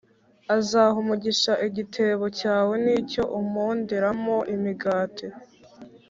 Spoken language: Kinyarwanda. “Azaha umugisha igitebo cyawe n’icyo uponderamo imigati.